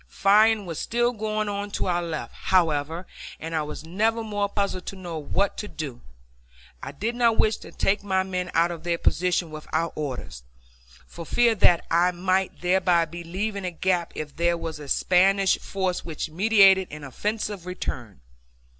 Firing was still going on to our left, however, and I was never more puzzled to know what to do. I did not wish to take my men out of their position without orders, for fear that I might thereby be leaving a gap if there was a Spanish force which meditated an offensive return.